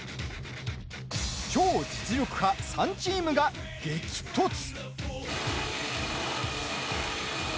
超実力派３チームが激突。